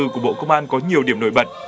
của bộ công an có nhiều điểm nổi bật